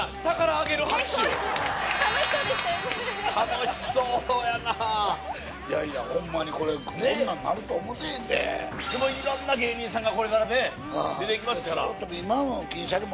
楽しそうやないやいやホンマにこれこんなんなると思うてへんで色んな芸人さんがこれからね出てきますから今の銀シャリも